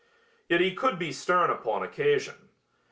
Yet he could be stern upon occasion.